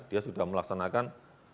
dia sudah melaksanakan